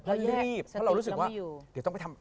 รีบเพราะเรารู้สึกว่าเดี๋ยวต้องไปทำ